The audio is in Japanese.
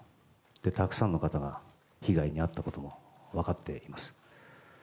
たくさんの方が被害に遭ったことも分かっています。